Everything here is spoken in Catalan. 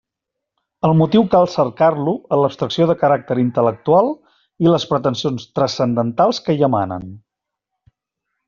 El motiu cal cercar-lo en l'abstracció de caràcter intel·lectual i les pretensions transcendentals que hi emanen.